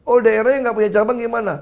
oh daerahnya gak punya cabang gimana